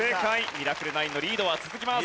ミラクル９のリードは続きます。